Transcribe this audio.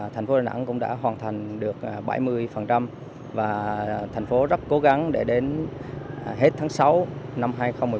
thành phố đà nẵng cũng đã hoàn thành được bảy mươi và thành phố rất cố gắng để đến hết tháng sáu năm hai nghìn một mươi chín